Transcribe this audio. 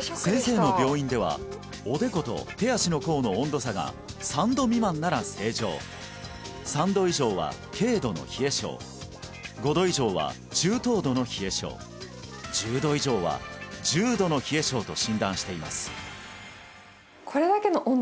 先生の病院ではおでこと手足の甲の温度差が３度未満なら正常３度以上は軽度の冷え症５度以上は中等度の冷え症１０度以上は重度の冷え症と診断しています